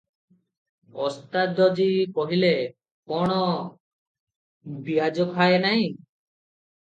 "ଓସ୍ତାଦଜୀ କହିଲେ, କଣ ବିଆଜ ଖାଏ ନାହିଁ?